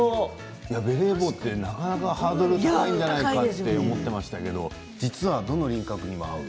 ベレー帽ってなかなかハードル高いなと思っていましたけど実は、どの輪郭にも合う。